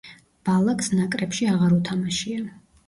ბალაკს ნაკრებში აღარ უთამაშია.